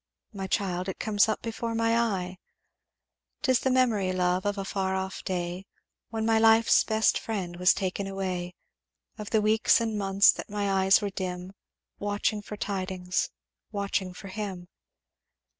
'My child, it comes up before my eye. "'Tis the memory, love, of a far off day When my life's best friend was taken away; Of the weeks and months that my eyes were dim Watching for tidings watching for him.